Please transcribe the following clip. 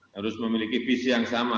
harus memiliki visi yang sama